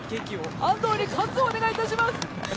安藤に活をお願いします。